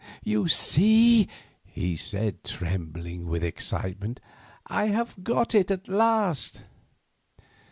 "You see," he said, trembling with excitement, "I have got it at last."